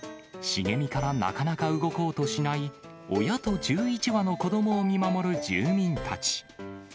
茂みからなかなか動こうとしない、親と１１羽の子どもを見守る住民たち。